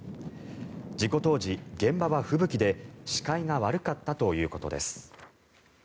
事故当時、現場は吹雪で視界が悪かったということです。